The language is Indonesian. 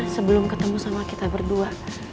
sebelum ketemu sama kita berdua